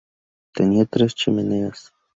Tenía tres chimeneas.